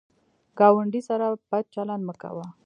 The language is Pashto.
ګاونډي سره بد چلند مه کوه